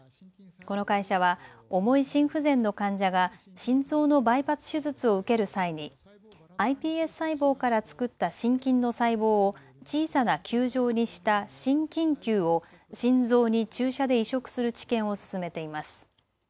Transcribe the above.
この会社は重い心不全の患者が心臓のバイパス手術を受ける際にｉＰＳ細胞から作った心筋の細胞を小さな球状にした心筋球を心臓に注射で移植する治験を進めています。